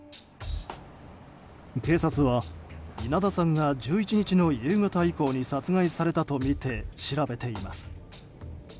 警察は稲田さんが１１日の夕方以降に殺害されたとみて調べています。